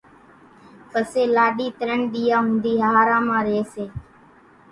پسي لاڏِي ترڃ ۮيئان ۿوُڌِي ۿاۿران مان ريئيَ سي۔